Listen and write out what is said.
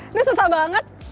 ini susah banget